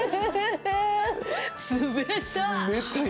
冷たい！